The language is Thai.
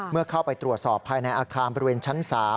เมื่อเข้าไปตรวจสอบภายในอาคารบริเวณชั้น๓